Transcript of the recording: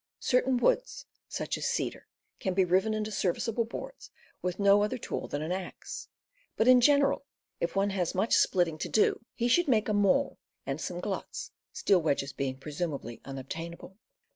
Certain woods, such as cedar, can be riven into serviceable boards with no other tool than an axe; but , in general, if one has much splitting to r^ y^ do, he should make a maul and some gluts, steel wedges being, presumably, unobtainable.